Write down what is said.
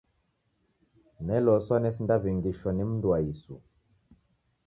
Neloswa nesindaw'ingishwa ni mndu wa isu.